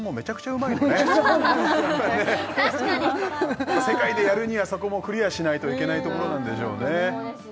まあ世界でやるにはそこもクリアしないといけないところなんでしょうね